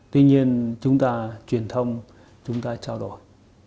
tuy nhiên chúng ta truyền thông chúng ta trao đổi